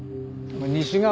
西側？